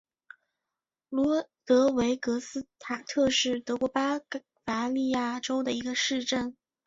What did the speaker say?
卢德维格斯塔特是德国巴伐利亚州的一个市镇。